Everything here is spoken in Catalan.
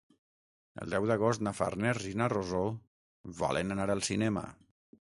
El deu d'agost na Farners i na Rosó volen anar al cinema.